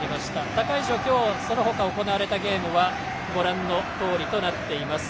他会場、その他行われたゲームはご覧のとおりとなっています。